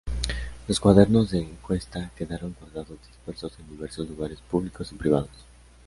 Los cuadernos de encuesta quedaron guardados dispersos en diversos lugares públicos y privados.